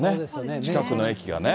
近くの駅がね。